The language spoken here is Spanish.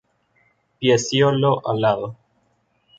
Pecíolo alado.